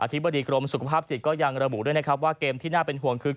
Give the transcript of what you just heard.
อธิบดีกรมสุขภาพจิตยังระบุว่าเกมที่น่าเป็นห่วงคือ